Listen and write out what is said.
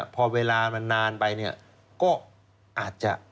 พอเวลามันนานไปก็อาจจะ